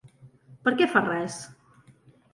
Per a què fa res?